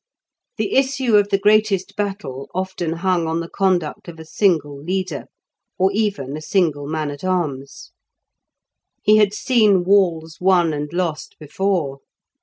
The issue of the greatest battle often hung on the conduct of a single leader, or even a single man at arms. He had seen walls won and lost before.